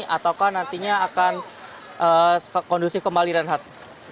atau nantinya akan kondusi kembali renhardt